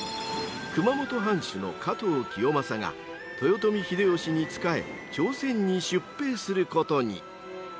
［熊本藩主の加藤清正が豊臣秀吉に仕え朝鮮に出兵することに］